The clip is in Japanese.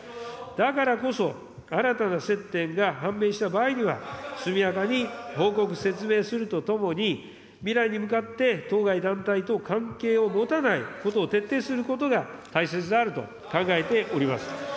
だからこそ、新たな接点が判明した場合には、速やかに報告、説明するとともに、未来に向かって、当該団体と関係を持たないことを徹底することが大切であると考えております。